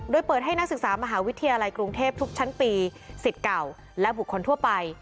โดยเปิดให้นักศึกษามหาวิทยาลัยกรุงเทพทุกชั้นปีสิทธิ์เก่าและบุคคลทั่วไป